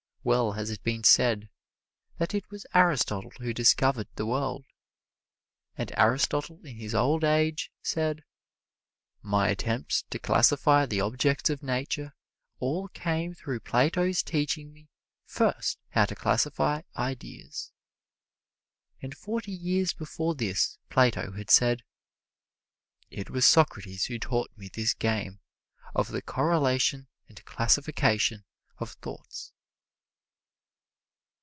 Well has it been said that it was Aristotle who discovered the world. And Aristotle in his old age said, "My attempts to classify the objects of Nature all came through Plato's teaching me first how to classify ideas." And forty years before this Plato had said, "It was Socrates who taught me this game of the correlation and classification of thoughts."